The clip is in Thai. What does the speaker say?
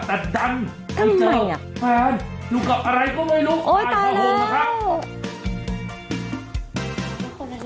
แต่ดั้งมีแฟน